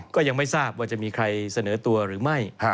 ก็ยังไม่ทราบว่าจะมีใครเสนอตัวหรือไม่